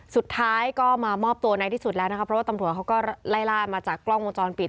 สุดท้ายก็มามอบตัวในที่สุดแล้วนะคะเพราะว่าตำรวจเขาก็ไล่ล่ามาจากกล้องวงจรปิด